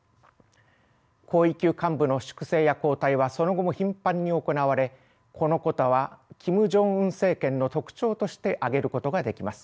高位級幹部の粛清や交代はその後も頻繁に行われこのことはキム・ジョンウン政権の特徴として挙げることができます。